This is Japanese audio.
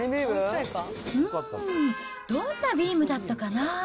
うーん、どんなビームだったかな。